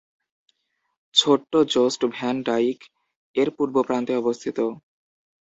ছোট্ট Jost Van Dyke এর পূর্ব প্রান্তে অবস্থিত।